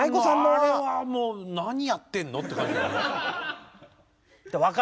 あれはもう何やってんのって感じ。